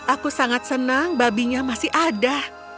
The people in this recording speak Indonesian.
aku sangat senang babinya masih ada